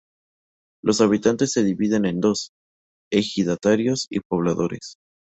Los habitantes se dividen en dos: ejidatarios y pobladores.